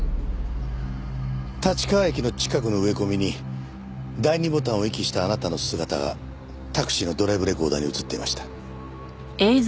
立川駅の近くの植え込みに第２ボタンを遺棄したあなたの姿がタクシーのドライブレコーダーに映っていました。